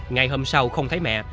ngày hôm sau không thấy mẹ